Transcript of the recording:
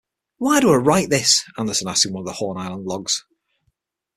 "Why do I write this?" Anderson asks in one of the Horn Island logs.